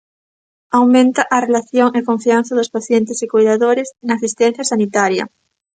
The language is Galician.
Aumenta a relación e confianza dos pacientes e coidadores na asistencia sanitaria.